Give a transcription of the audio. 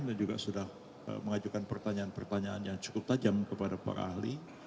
dan juga sudah mengajukan pertanyaan pertanyaan yang cukup tajam kepada para ahli